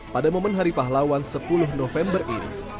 pada momen hari pahlawan sepuluh november ini